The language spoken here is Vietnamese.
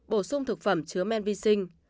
bổ sung thực phẩm chứa men vi sinh